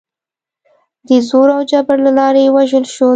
د زور او جبر له لارې ووژل شول.